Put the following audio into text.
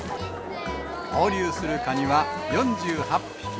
放流するカニは４８匹。